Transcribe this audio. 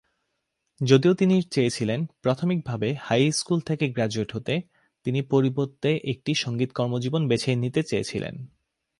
যদিও তিনি চেয়েছিলেন প্রাথমিকভাবে হাই স্কুল থেকে গ্রাজুয়েট হতে, তিনি পরিবর্তে একটি সঙ্গীত কর্মজীবন বেছে নিতে চেয়েছিলেন।